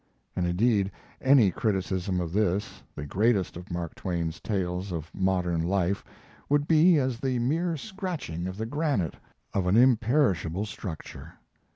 And indeed any criticism of this the greatest of Mark Twain's tales of modern life would be as the mere scratching of the granite of an imperishable structure.